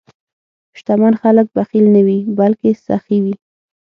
شتمن خلک بخیل نه وي، بلکې سخي وي.